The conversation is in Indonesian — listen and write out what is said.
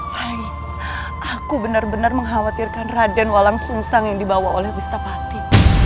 rai aku benar benar mengkhawatirkan raden walang sungsang yang dibawa oleh wistapati